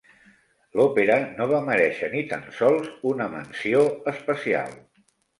L'òpera no va merèixer ni tan sols una menció especial.